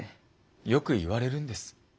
よく言われるんです。